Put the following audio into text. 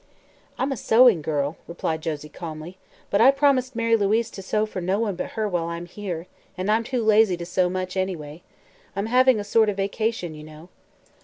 "I'm a sewing girl," replied Josie calmly, "but I've promised Mary Louise to sew for no one but her while I'm here, and I'm too lazy to sew much, anyway. I'm having a sort of vacation, you know."